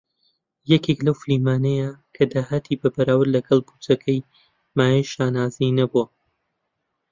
یەکێک لەو فیلمانەیە کە داهاتی بە بەراورد لەگەڵ بودجەکەی مایەی شانازی نەبووە.